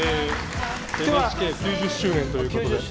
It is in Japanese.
ＮＨＫ９０周年ということで。